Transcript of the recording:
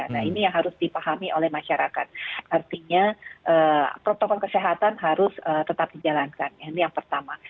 nah ini yang harus dipahami oleh masyarakat artinya protokol kesehatan harus tetap dijalankan ini yang pertama